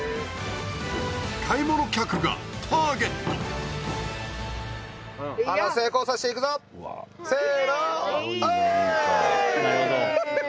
買い物客がターゲットオー！